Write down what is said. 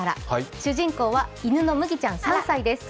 主人公は犬のむぎちゃん３歳です。